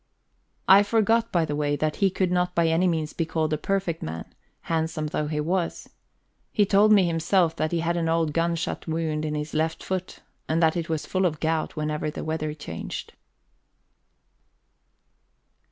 I forgot, by the way, that he could not by any means be called a perfect man, handsome though he was. He told me himself that he had an old gunshot wound in his left foot, and that it was full of gout whenever the weather changed.